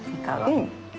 うん。